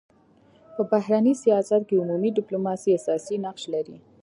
په بهرني سیاست کي عمومي ډيپلوماسي اساسي نقش لري.